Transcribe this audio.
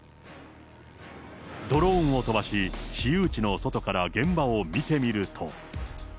ドローンを飛ばし、私有地の外から現場を見てみると。